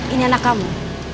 ini anak kamu